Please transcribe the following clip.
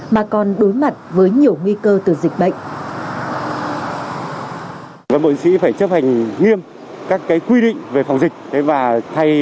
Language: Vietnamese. mà còn đối mặt với nhiều nguy cơ từ dịch bệnh